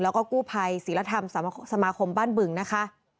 แล้วก็กู้ภัยศิลธรรมสมาคมบ้านบึงนะคะ